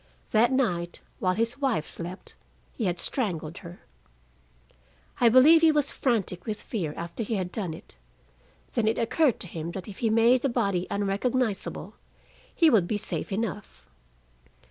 That night, while his wife slept, he had strangled her. I believe he was frantic with fear, after he had done it. Then it occurred to him that if he made the body unrecognizable, he would be safe enough.